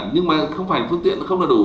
nhưng mà không phải phương tiện không là đủ